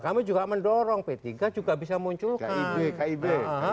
kami juga mendorong p tiga juga bisa munculkan